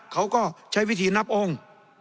เขาก็ใช้วิธีนับองค์